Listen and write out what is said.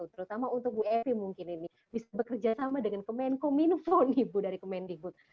terutama untuk mbak evie mungkin ini bisa bekerja sama dengan kemenko minvon nih bu dari kemenikbud